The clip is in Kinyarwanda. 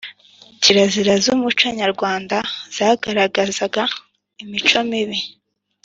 Kirazira z’umuconyarwanda zagaragaza imico mibi